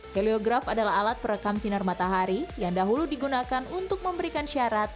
heliograf adalah alat perekam sinar matahari yang dahulu digunakan untuk memberikan syarat